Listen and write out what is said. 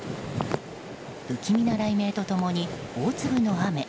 不気味な雷鳴と共に大粒の雨。